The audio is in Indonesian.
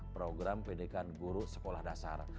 program pendidikan guru sekolah dasar